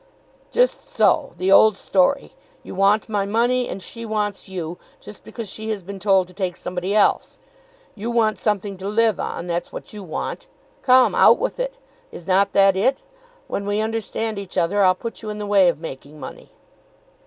"Just so; the old story. You want my money, and she wants you, just because she has been told to take somebody else. You want something to live on; that's what you want. Come; out with it. Is not that it? When we understand each other I'll put you in the way of making money."